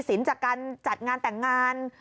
จากการจัดงานแต่งงาน